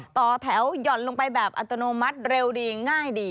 ต่อแถวหย่อนลงไปแบบอัตโนมัติเร็วดีง่ายดี